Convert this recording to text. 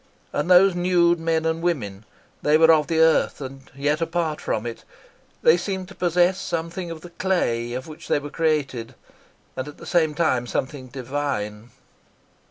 And those nude men and women. They were of the earth, and yet apart from it. They seemed to possess something of the clay of which they were created, and at the same time something divine.